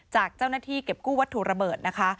จากเจ้าหน้าที่เก็บกู้วัตถุระเบิดนะคะ